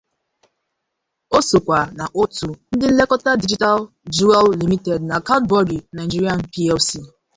Ọ sokwa na otu ndị nlekọta Digital Jewel Limited na Cadbury Nig Plc.